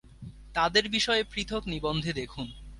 তাদের বিষয়ে পৃথক নিবন্ধে দেখুন।